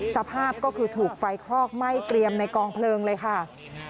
สภาพก็คือถูกไฟคลอกไหม้เกรียมในกองเพลิงเลยค่ะ